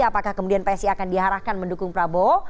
apakah kemudian psi akan diarahkan mendukung prabowo